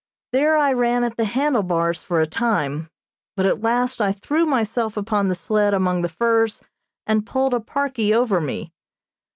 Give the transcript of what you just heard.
There I ran at the handle bars for a time, but at last I threw myself upon the sled among the furs, and pulled a parkie over me.